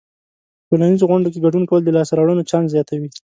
په ټولنیزو غونډو کې ګډون کول د لاسته راوړنو چانس زیاتوي.